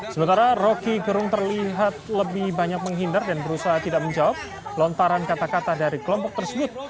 sementara roky gerung terlihat lebih banyak menghindar dan berusaha tidak menjawab lontaran kata kata dari kelompok tersebut